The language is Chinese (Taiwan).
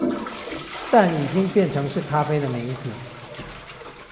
但已經變成是咖啡的名字